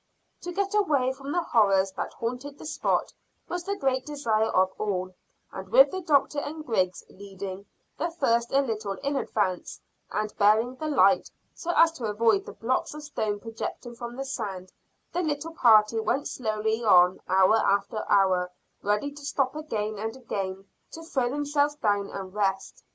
To get away from the horrors that haunted the spot was the great desire of all, and with the doctor and Griggs leading, the first a little in advance, and bearing the light, so as to avoid the blocks of stone projecting from the sand, the little party went slowly on hour after hour, ready to stop again and again to throw themselves down and rest.